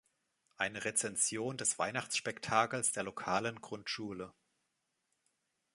Eine Rezension des Weihnachtsspektakels der lokalen Grundschule.